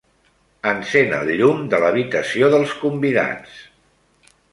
Encén el llum de l'habitació dels convidats.